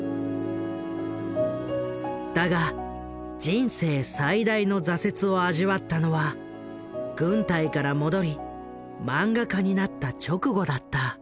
だが人生最大の挫折を味わったのは軍隊から戻りマンガ家になった直後だった。